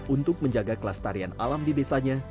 untuk menjaga kelas tarian alam di desanya